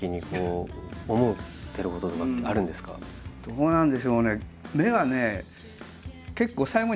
どうなんでしょうね。